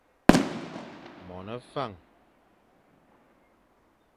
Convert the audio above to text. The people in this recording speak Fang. Mone Fañ,